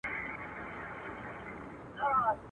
د یوه پخواني پاچا د یوه زاړه قصر پر دروازه باندي لیکلی وصیت:.